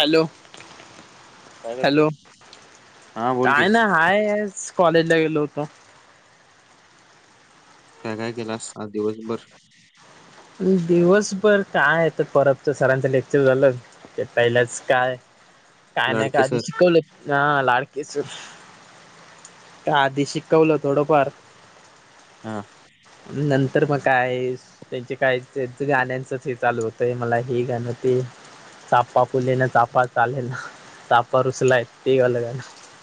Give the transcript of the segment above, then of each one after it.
Hello काय करतोय? Hello हा बोल की काय ना हायस कॉलेज ला गेलो होता काय काय केलास सात दिवसभर दिवसभर काय तर परत तर सरांचं लेक्चर झालं ते पहिलाच काय काय नाही काय लाडके आधी सर शिकवलं ह लाडकेच आधी शिकवलं थोडंफार हा नंतर मग काय आहे त्यांचे काही त्यांच गाण्यांचच हे चालू होतय मला हे गाणं ते चापा फुले ना चापा चालेल ना चापा रुसलाय ते अलला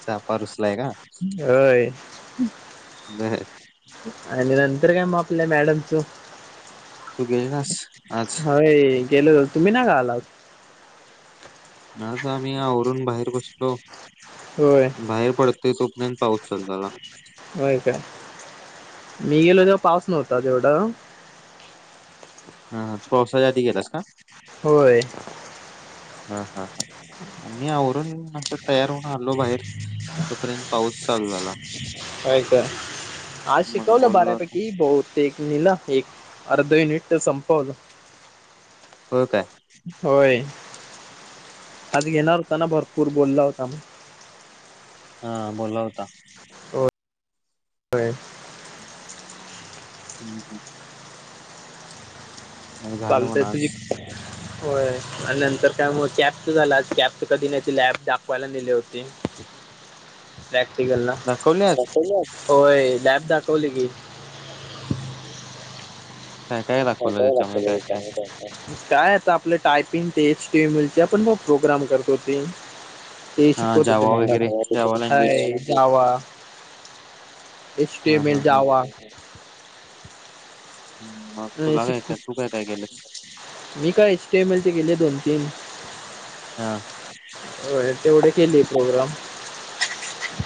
चापा रुसलाय होय नाही आणि नंतर काय म्ह आपल्या मॅडमच तू गेलास आज गेल तर तुम्ही ना ग आलात आ आम्ही आवरून बाहेर बसलो होय बाहेर पडते तो नन पाऊस चालतला हो काय मी गेलो तेव्हा पाऊस नव्हता तेवढं हा तू पावसाच्या आधी गेलास का होय हा हा हा मी आवरून अस तयार होऊन आलो बाहेर तोपर्यंत पाऊस चालू झाला काय काय? आज मग शिकवलं बोललो होता बारापैकी बहुते ना एक अर्ध मिनिट संप कल हो काय होय आज घेणार होता ना भरपूर बोलला होता म हा बोला होता हो हम्म ह झालं चालतय म्हणा आज तुझी होय आणि नंतर काय म कॅपच झाला आज कॅप च कधीण्याची लॅब दाखवायला नेले होती प्रॅक्टिकल ना दाखवले आज होय लॅब दाखवली की काय काय ह दाखवलं च त्याच्यामध्ये काय काय ला काय आता आपलं टायपिंग ते एच टीव्ही मुलची आपण म प्रोग्राम करतोती ते हा शिकवत जावा वगैरे जावा लँग्वेज होते जावा हा एसटएम हा हा जावा मग तुला काय अिक काय तू काय काय केलंस मी का एचटीएम एल चे गेले दोन तीन हा हो तेवढे केली प्रोग्राम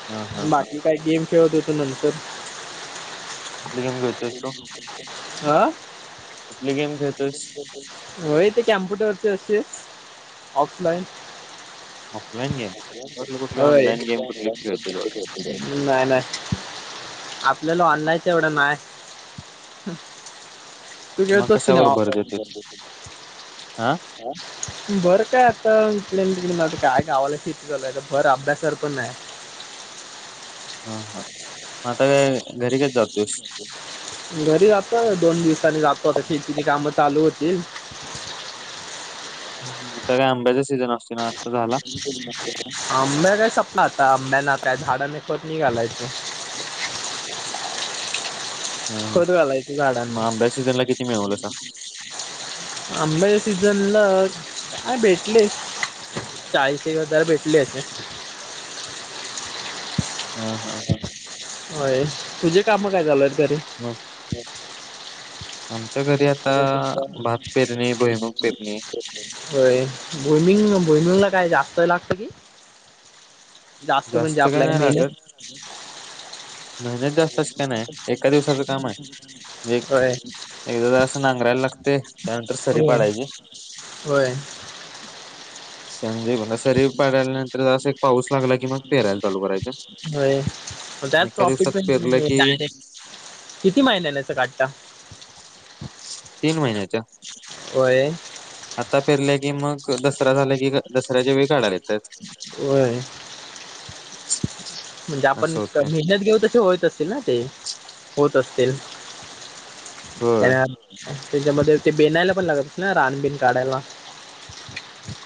हा हा हा बाकी काय गेम खेळ देतो नंतर कुठली गेम खेळतोयस तू आा प गेम खेळतोस होय ते कॅम्प्युटरचे असते ऑफलाईन ऑफलाईन गेम म्हटलं कुठली हो ऑनलाईन गेम कुठली खेळतोय वाटतं. नाही ना आपल्याला ऑनलाईच एवढं नाहीय तू मग खेततीि ना कशावर भर देतोय वातावरण हा बरं काय आ आ इडे तिक काय गावाला स्थितीलय भर अभ्यासर पण आहे हा हा म घरी जातता दोन दिवसाांनी जातो आता शेतीची काम चालू होतील ह स का आंब्याचा सीझन असते ना झाला म का सपना आता म नाता झाडाने पत निघालायच ब [inaudible] खत गलाय त झाडांना मग आंब्या सीझनला किती मिळवलंसा आंबाच्या सीझनला काय भेटले चाळीस एक हजार भेटले हा हा हा होय तुझे काम काय झालय तरी मग आमच्या [unintelligible] घरी आता भात पेरणी भुईमुग पेरणी होय भोमिंग. [unintelligible] ला काय जास्त लागते की? म्हणजे जास्त काही आपल्या नाही मेहनत लागत. मेहनत जास्त अशी काय नाय. एका दिवसाच काम आहे. म्हणजे एक होय एकदा [unintelligible] असं नांगरायला लाग ते त्यानंतर सरी होय पाडायची. होय. म्हणजे बघा सरी पाडल्यानंतर असं एक पाऊस लागला की मग पेरायला चालू करायचं. होय. त्यात एका प्रॉफिट दिवसात पण पेरलं [unintelligible] की डायरेक्ट. किती महिन्याला याचं काढता? तीन महिन्याच्या. व्हय. आता पेरल्या की मग दसरा झाला की दसऱ्याच्या वेळी काढायलात. होय. [inaudible] म्हणजे आपण असं होतंय मेहनत घेऊन तसे होत असतील ना ते? होत असतील. होय त्याच्यामध्ये ते बेनायला पण लागत ना रानबीण काढायला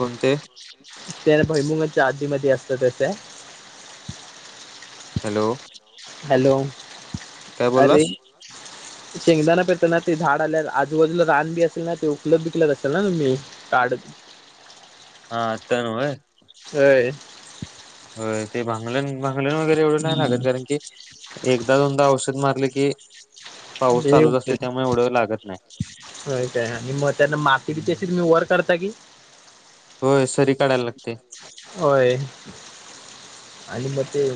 कोण ते त्या भैमुंगच्या आधीमध्ये असत त्याच हॅलो हॅलो काय अरे बोललास चंगदाना पतना ते झाड आल्या आजूबाजूला रान बी असेल ना ते उपलब्ध केल असेल ना काढ हा आता ना व्हय. व्हय. हो ते भांगल्याण, भांगल्याण वगैरे एवढं नाही हम्म लागत कारण की एकदा दोनदा औषध मार [unintelligible] की [unintelligible] पाऊस चालूच असतो त्यामुळे एवढं लागत नाही होय काय आणि मग त्यांन माती बी हम्म. तशी मी वर [unintelligible] की होय सरी काढायला लागते होय. [unintelligible] आणि मग ते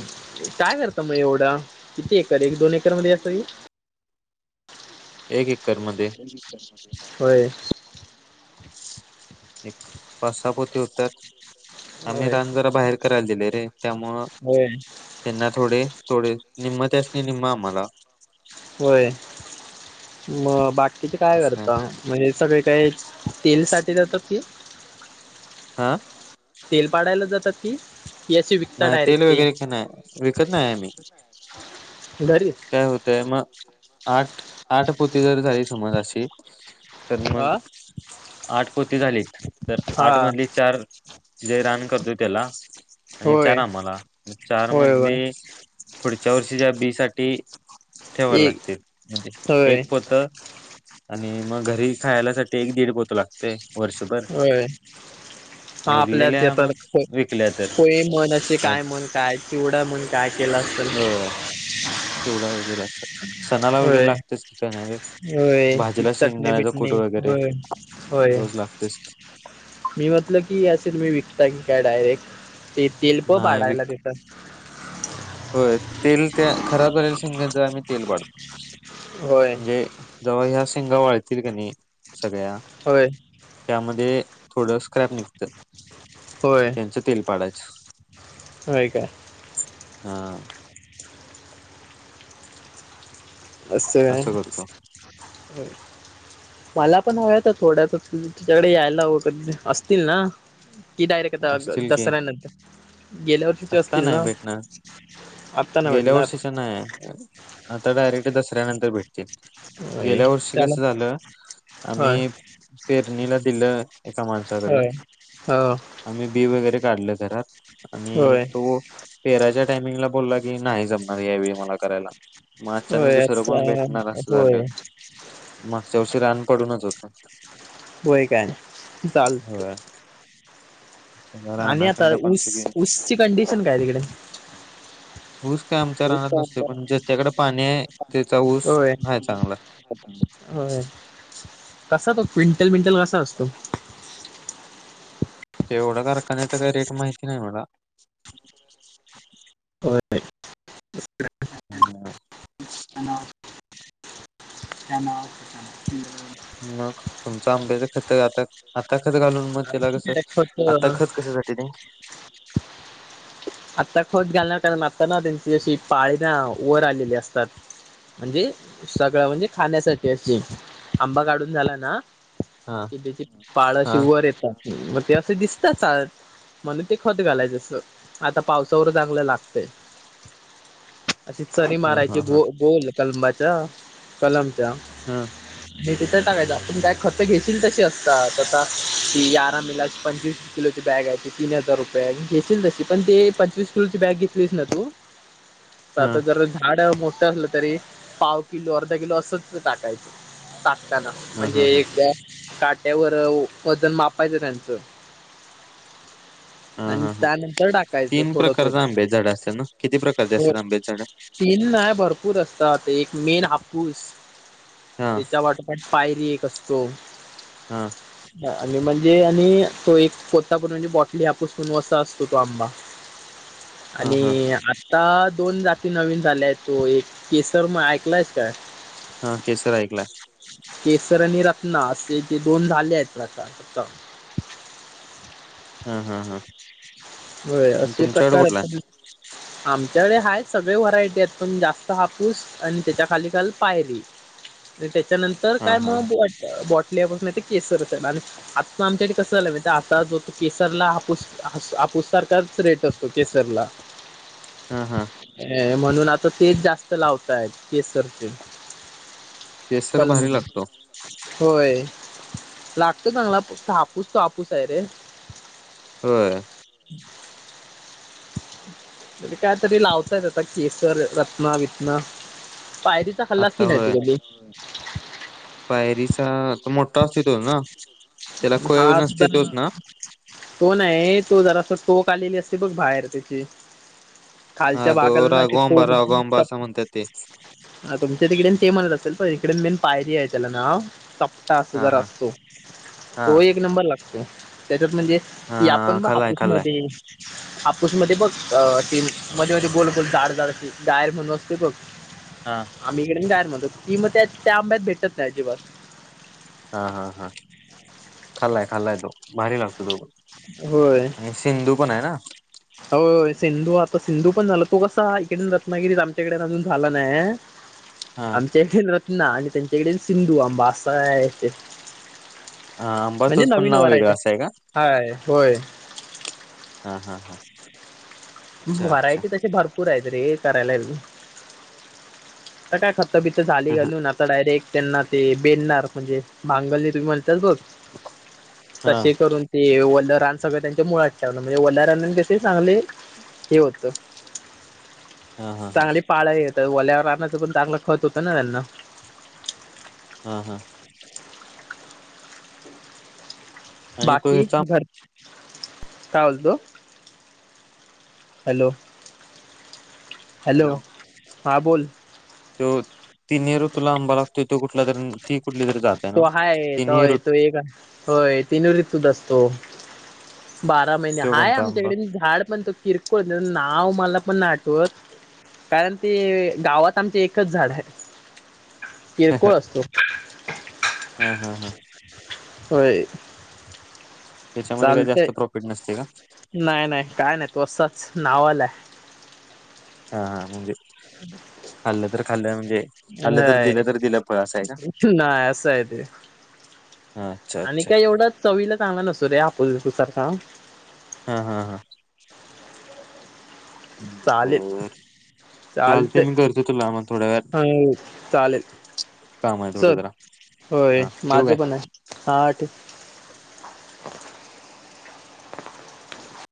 काय करता मग एवढा? किती एकर एक दोन एकर मध्ये येतोय. [unintelligible] एक एक होय. एक पाच सहा पोते होत्यात. आम्ही होय रान जरा बाहेर करायला दिले रे त्यामुळं होय त्यांना थोडे थोडे निम्म त्यासनी निम्म आम्हाला होय म बा तिथे काय असं करता? म्हणजे सगळे काही तेल साठी जातात की आ? तेल पाडायला जातात की? की असे विकता नाही तेल डायरेक्ट ते वगैरे काही नाही विकत नाही आम्ही. घरी काय होतय मग आठ आठ पोती जर झाली समज अशी तर मग हा आठ पोती झालीत. तर हा आठ मधली चार जे रान करतोय त्याला आणि चार होय आम्हाला. चार होय होय मधली पुढच्या वर्षीच्या बी साठी ठेवावी एक लागतील. म्हणजे होय एक पोत आणि मग घरी खायला साठी एक दीड पोत लागतंय. होय, आपल्यात उरलेल्या देतातच मग ते. विकल्या तर [unintelligible] [unintelligible] काय मन काय चिवडा मन काय केलं असल. चुडा वगैर अस स सणाला वगैरे लागतेच की काय नाय व्हय. होय ती भाजीला चटणी शेंगदाण्याचा कुठ बिटणी वगैरे. होय होय रोज लागतेच. मी म्हटलं की असेल. [unintelligible] [unintelligible] काय डायरेक्ट ते तीलप नाही पाडायला विक देतात. होय तेल त्या खराब झालेल्या शिंग्याच आम्ही तेल पाढतो. होय म्हणजे जेव्हा ह्या शिंगा वाळतील की नाही, सगळ्या होय त्यामध्ये थोडं स्क्रॅप निघतं, होय त्यांचं तेल पाडाय होय काय? हा असं मला पण [unintelligible] थोड्यात तुझ्याकडे यायला व असतील ना? कि डायरेक्ट आता असतील की दसऱ्यानंतर, गेल्यावर्षीचे आत्ता असतील नाही ना? भेटणार आत्ता नाही गेल्या भेटणार वर्षीचे नाही, आता डायरेक्ट दसऱ्या नंतर भेटतील. होय गेल्या वर्षी त्याला कसं झालं होय आम्ही पेरणीला दिलं, एका माणसाकडे होय हो आम्ही बी वगैरे काढलं घरात. होय? हो, पेरायच्या टायमिंगला बोलला की, नाही जमणार यावेळी मला करायला. मग अचानक होय दुसरं अच्छा कोण भेटणार असं होय झालं. मग चवशी रान पडूनच होत. होय काय? नाही चालत होय. आणि आता रानाखंड पण ऊस सगळे ऊसची कंडिशन काय तिकडे? ऊस काय [unintelligible] आमच्या रानात नसतोय पण ज्याच्याकडे पाणी आहे त्याचा ऊस होय हाय चांगला होय, कसा तो क्विंटल बिंटल कसा असतो? ते एवढा कारखान्याचा काही रेट माहिती नाही मला. होय. हम् हा ना मग, तुमचं आंब्याच खतं आता आता खत घालून मग त्याला कसं, ते खत आता अं, खत कशासाठी ते? आता खत घालणार कारण आता ना त्यांची अशी पाळी ना, वर आलेली असतात. म्हणजे, सगळं म्हणजे खाण्यासाठी असं आंबा काढून झाला ना हा कि त्याची पाळ अशी हा वर येतात. मग ते असं दिसता चाळ, म्हणून ते खत घालायचं असं. आता पावसावर चांगलं लागतंय, अशी चरी ह मारायची ह ह गो गोल कलबाच्या कलमच्या. ह तिथं टाकायचं आपण काय खतं घेशील तशी असतात, आता ती यारा मेला पंचवीस किलोची बॅग घेयची, तीन हजार रुपये आणि घेशील तशी पण ते पंचवीस किलोची बॅग घेतलीस ना तु, सात ह हजार झाड मो असलं तरी पाव किलो, अर्धा किलो असं टाकायचं. टाकताना, ह म्हणजे ह ह एक बॅ काट्यावर, वजन मापायचं त्यांचं हा हा हा तर टाकायचं थोडं थोडं, ना किती प्रकारचे हो असतात आंब्याचे झाड तीन नाय भरपूर असत तात, एक मेन हापूस, हा त्याच्या वाट [unintelligible] पायरी एक असतो. हा आणि म्हणजे आणि तो एक तोतापुरी म्हणजे बॉटली हापुस पण असा त तो आंबा हा हा आणि आता दोन जाती नवीन झाल्या आहेत, तो एक केसर म ऐकलायस का? हा केसर ऐकलाय. केसर आणि रत्ना असे जे दोन झाले आहेत ना आता हा हा हा होय, असे तुमच्याकडे प्रकार कुठला आहे? असतात. आमच्याकडे हाय सगळे व्हरायटी आहेत पण जास्त हापूस, आणि त्याच्या खाली खाल पायरी त्या त्यानंतर हा काय हा म बॉ केसरच आणि आता त आमच्या कसं झालं माहित आता जो तो केसरला हापूस हापूस त्याच रेट असतो केसरला. हा, हा. म्हणून आता तेच जास्त लावतय केसरचे केसर भारी कलमी लागतो होय. लागतो चांगला हापूस तो हापूस आहे रे. होय. [inaudible] म्हणजे काय तरी लावताय आता केसर, रत्ना, वितना. पायरीचा खाल्लासी आता की नाही होय तु कधी पायरीचा तो मोठा अस्थित हो ना. त्याला कोय हा नसते चल तोच ना तो नाही तो जरासा टोक आलेली असते बघ बाहेर त्याची. खालच्या हा तो भागाला ना श तो राघवांबा राघवांबा असं म्हणतात ते [unintelligible] हा तुमच्या तिकडे ते म्हणत असतील प इकडे मेन पायरी आहे त्याला नाव, चपटा अस हा जरा हा असतो, हा तो एक नंबर लागतो. त्याच्यात म्हणजे, की हा आपण ब खाल्लाय खाल्लाय हापूसमध्ये कुसध्ये बघ, ती म मध्ये मध्ये गोल गोल जाड जाड अशी जायर म्हणून असते बघ. हा आम्ही इकडेन [unintelligible] म्हणतो, ती मग त्या त्या आंब्यात भेटत नाही अजिबात. हा हा हा, खाल्लाय खाल्लाय तो भारी लागतो तो आणि सिंधू पण आहे ना? हो सिंधू आता सिंधू पण झाला तू कसा इकड रत्नागिरीत आमच्याकडे अजून झाला नाय. हा आमच्या इथे रत्ना आणि त्यांच्याकडे सिंधू आंबा असा आहे. हा आंबा म्हणजे तोच पण नवीन नाव वरायटी वेगळं असं आहे का हाय होय. हा, हा, हा. अच्छा अच्छा व्हरायटी तशी भरपूर आहेत रे करायला करायला आता बीथ झाली घालून आता डायरेक्ट त्यांना ते बेनणार म्हणजे भांगली बघ हा तसे करून ते वल्ल रान सगळं त्यांच्या मुळात ठेवल म्हणजे वल्ल्या राननी कसे चांगले. हे होत हा हा हा चांगली पाळही तर वोल्यावर राहण्याचं पण चांगलं खत होतं ना त्यांना. हा, हा. आणि तो बाकी ह्याचा घर काय बोलतो? हॅलो, हॅलो हा बोल. तो तिनही ऋतूला आंबा लागतोय तो कुठला तरी ती कुठली तरी जात आहे तो ना आहेाय हय तिन्ही ऋतू तो एक होय तीन ऋतूत असतो. बारा महिने तो हाय कोणता आंबा आमच्याकडे झाड पण तो किरकोळ नाव मला पण नाही आठवत कारण ते गावात आमचे एकच झाड आहे. किळ कोळ असतो. हा, हा, हा. होय. त्याच्यामध्ये काय चालते जास्त प्रॉफिट नसते का नाही नाही काय नाही नावाल आहे. हा हा म्हणजेच. ह [inaudible] खाल्लं तर हाय दिलं तर दिलं फळ असं आहे का नाही असं य ते. हा, अच्छा आणि अच्छा काय एवढा चवीला चांग नसो रे हापूस, गिपुस सारखा आब ह, हा, हा. ह... चालताय हा वेळात चालेल. काम आहे थोडं चल जरा होय हा ठेवू काय माझं पण आहे हा ठिक [inaudible]